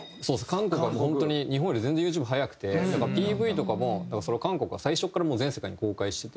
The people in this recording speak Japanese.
韓国は本当に日本より全然ユーチューブ早くてＰＶとかも韓国は最初からもう全世界に公開してて。